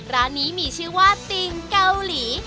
ร้านนี้มีชื่อว่าติ่งเกาหลี